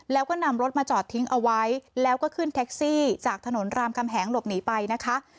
แล้วก็นำรถมาจอดทิ้งเอาไว้แล้วก็ขึ้นแท็กซี่จากถนนรามคำแหงหลบหนีไปนะคะ